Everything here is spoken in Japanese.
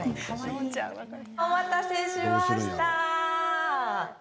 お待たせしました。